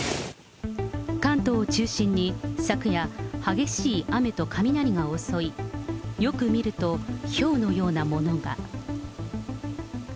関東を中心に、昨夜、激しい雨と雷が襲い、よく見ると、ひょうのようなものが。